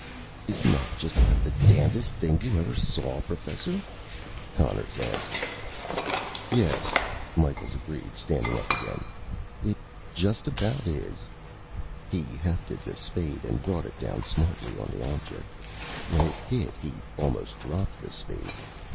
"Isn't that just about the damnedest thing you ever saw, Professor?" Conners asked. "Yes," Micheals agreed, standing up again. "It just about is." He hefted the spade and brought it down smartly on the object. When it hit, he almost dropped the spade.